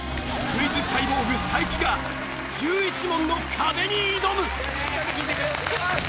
クイズサイボーグ才木が１１問の壁に挑む！